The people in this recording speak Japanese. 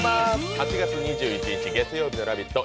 ８月２１日月曜日の「ラヴィット！」